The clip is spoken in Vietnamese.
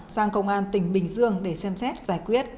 sang công an tỉnh bình dương để xem xét giải quyết